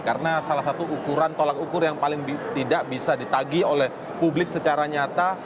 karena salah satu ukuran tolak ukur yang paling tidak bisa ditagi oleh publik secara nyata